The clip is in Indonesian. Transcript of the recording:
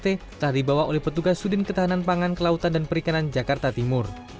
telah dibawa oleh petugas sudin ketahanan pangan kelautan dan perikanan jakarta timur